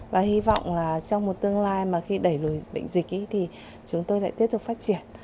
và hy vọng là trong một tương lai mà khi đẩy lùi bệnh dịch thì chúng tôi lại tiếp tục phát triển